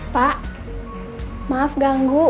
pak maaf ganggu